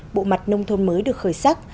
bộ mặt nông thôn mới được khởi sắc